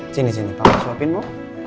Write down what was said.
sini sini papa suapin mau